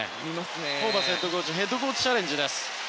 ホーバスヘッドコーチヘッドコーチチャレンジです。